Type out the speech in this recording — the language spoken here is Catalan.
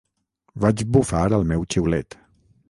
Vaig bufar al meu xiulet.